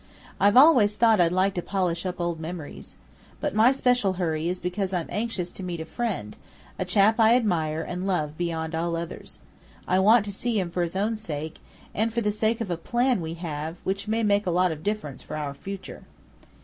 I've always thought I'd like to polish up old memories. But my special hurry is because I'm anxious to meet a friend, a chap I admire and love beyond all others. I want to see him for his own sake, and for the sake of a plan we have, which may make a lot of difference for our future."